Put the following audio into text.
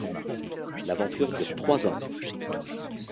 L’aventure dure trois ans.